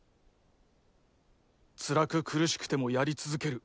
つらく苦しくてもやり続ける。